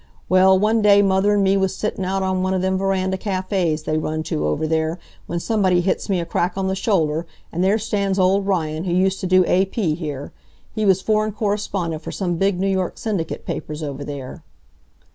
Well, one day mother an' me was sittin' out on one of them veranda cafes they run to over there, w'en somebody hits me a crack on the shoulder, an' there stands old Ryan who used t' do A. P. here. He was foreign correspondent for some big New York syndicate papers over there.